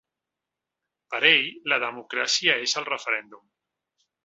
Per ell, ‘la democràcia és el referèndum’.